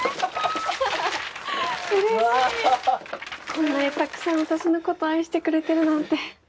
こんなにたくさん私のこと愛してくれてるなんて。